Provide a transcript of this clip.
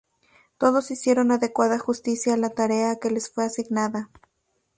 Todos hicieron adecuada justicia a la tarea que les fue asignada.